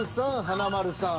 華丸さん。